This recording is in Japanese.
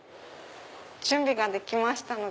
準備ができました。